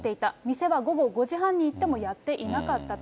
店は午後５時半に行っても、やっていなかったと。